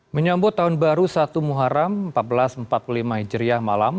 menyambut tahun baru satu muharam seribu empat ratus empat puluh lima hijriah malam